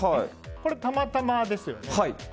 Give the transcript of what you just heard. これはたまたまですよね。